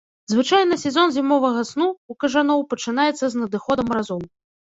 Звычайна сезон зімовага сну ў кажаноў пачынаецца з надыходам маразоў.